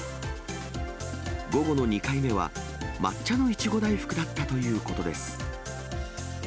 午後の２回目は抹茶のいちご大福だったということです。